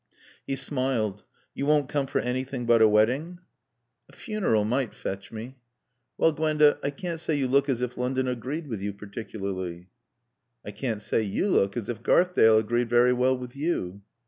He smiled. "You won't come for anything but a wedding?" "A funeral might fetch me." "Well, Gwenda, I can't say you look as if London agreed with you particularly." "I can't say you look as if Garthdale agreed very well with you."